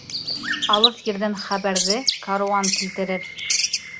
Алыҫ ерҙән хәбәрҙе каруан килтерер.